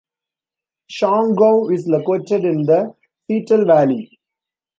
Schongau is located in the Seetal valley.